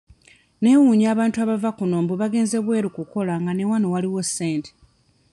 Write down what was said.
Neewuunya abantu abava kuno mbu bagenze bweru kukola nga ne wano waliwo ssente.